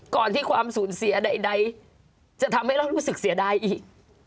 ก่อนที่ความสูญเสียใดจะทำให้เรารู้สึกเสียดายอีก